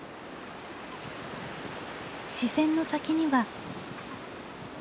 視線の先には。